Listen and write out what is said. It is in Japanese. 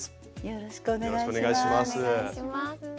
よろしくお願いします。